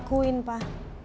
aku udah ngembali ke rumahnya